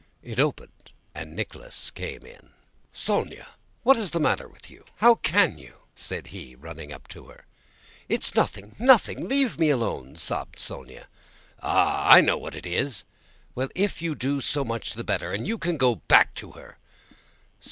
It opened and Nicholas came in. "Sónya, what is the matter with you? How can you?" said he, running up to her. "It's nothing, nothing; leave me alone!" sobbed Sónya. "Ah, I know what it is." "Well, if you do, so much the better, and you can go back to her!"